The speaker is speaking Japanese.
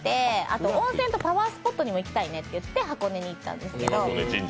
あと温泉とパワースポットにも行きたいねと言って箱根に行ったんですけど。